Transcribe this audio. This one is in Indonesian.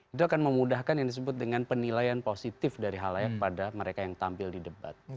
itu akan memudahkan yang disebut dengan penilaian positif dari hal layak pada mereka yang tampil di debat